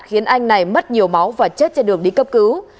khiến anh này mất nhiều máu và chết trên đường đi cấp cứu